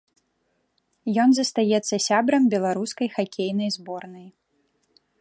Ён застаецца сябрам беларускай хакейнай зборнай.